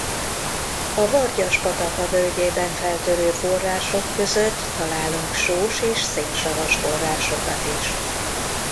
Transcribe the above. A Vargyas-pataka völgyében feltörő források között találunk sós és szénsavas forrásokat is.